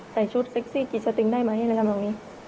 ใส่ชุดเซ็กซี่กีดเซ็ตติ้งได้ไหม